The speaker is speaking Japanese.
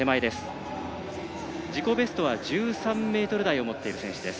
自己ベストは１３ｍ台を持っている選手です。